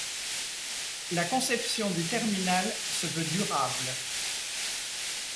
La conception du terminal se veut durable.